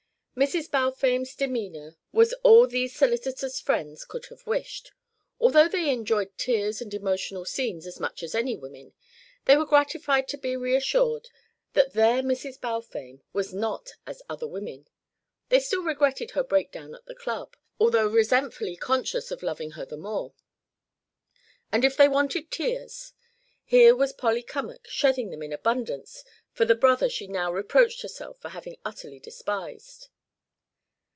Mrs. Balfame's demeanour was all these solicitous friends could have wished; although they enjoyed tears and emotional scenes as much as any women, they were gratified to be reassured that their Mrs. Balfame was not as other women; they still regretted her breakdown at the Club, although resentfully conscious of loving her the more. And if they wanted tears, here was Polly Cummack shedding them in abundance for the brother she now reproached herself for having utterly despised.